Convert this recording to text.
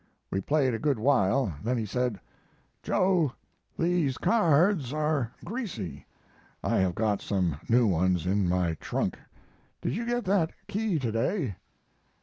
We played a good while; then he said: "'Joe, these cards are greasy. I have got some new ones in my trunk. Did you get that key to day?'